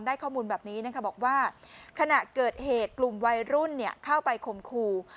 ข้อมูลแบบนี้นะคะบอกว่าขณะเกิดเหตุกลุ่มวัยรุ่นเข้าไปคมคู่